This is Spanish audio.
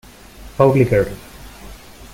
Pauli Girl.